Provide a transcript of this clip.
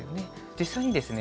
実際にですね